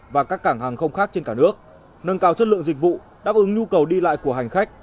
và các cảng hàng không khác trên cả nước nâng cao chất lượng dịch vụ đáp ứng nhu cầu đi lại của hành khách